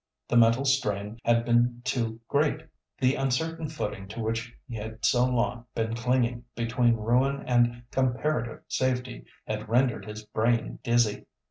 The mental strain had been too great. The uncertain footing to which he had so long been clinging between ruin and comparative safety had rendered his brain dizzy.